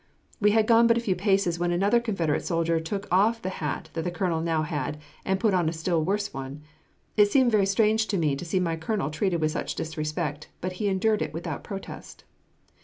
We had gone but a few paces when another Confederate soldier took off the hat that the colonel now had, and put on a still worse one. It seemed very strange to me to see my colonel treated with such disrespect, but he endured it without protest.